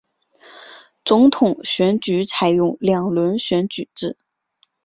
总统选举采用两轮选举制。